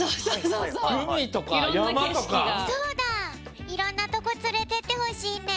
そうだいろんなとこつれてってほしいね。